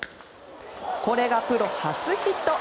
これがプロ初ヒット。